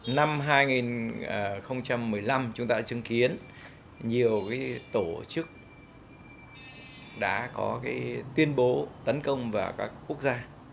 năm hai nghìn một mươi năm chúng ta đã chứng kiến nhiều tổ chức đã có tuyên bố tấn công vào các quốc gia